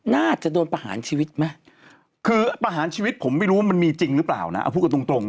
น่าจะโดนประหารชีวิตไหมคือประหารชีวิตผมไม่รู้ว่ามันมีจริงหรือเปล่านะเอาพูดกันตรงตรง